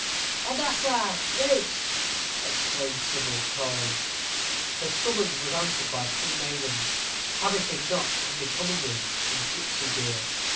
"Handassah Grace!" exclaimed Sybil, calling. Her summons was answered by two maidens, habited not unbecomingly, in gipsy gear.